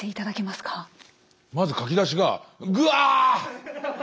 まず書き出しが「グアー。